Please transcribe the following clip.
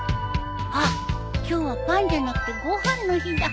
あっ今日はパンじゃなくてご飯の日だ。